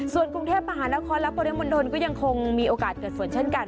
ส่วนกรุงเทพมหานครและปริมณฑลก็ยังคงมีโอกาสเกิดฝนเช่นกัน